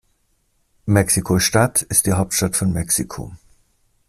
Mexiko-Stadt ist die Hauptstadt von Mexiko.